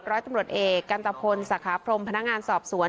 ร้อยตำรวจเอกกันตะพลสาขาพรมพนักงานสอบสวน